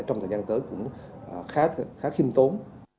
trong thời gian tới cũng khá khiêm tốn